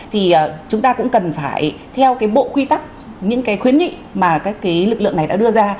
thì chúng ta cũng cần phải theo cái bộ quy tắc những cái khuyến nghị mà các cái lực lượng này đã đưa ra